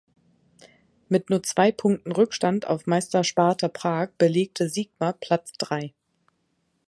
Mit nur zwei Punkten Rückstand auf Meister Sparta Prag belegte Sigma Platz Drei.